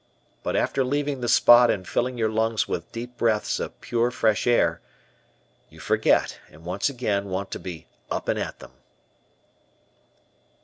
But after leaving the spot and filling your lungs with deep breaths of pure, fresh air, you forget and once again want to be "up and at them."